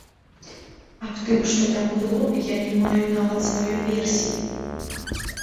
Аб тым, што там было, я не маю нават сваёй версіі.